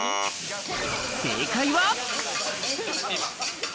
正解は。